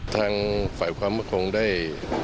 ทางฝ่ายความคงได้